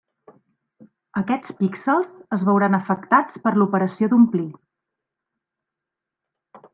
Aquests píxels es veuran afectats per l'operació d'omplir.